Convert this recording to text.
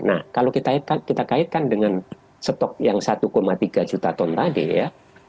nah kalau kita kaitkan dengan stok yang satu tiga juta ton tadi ya